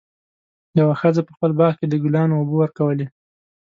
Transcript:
یوه ښځه په خپل باغ کې د ګلانو اوبه ورکولې.